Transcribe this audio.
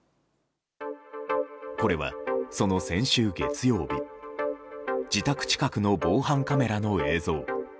これはその先週月曜日自宅近くの防犯カメラの映像。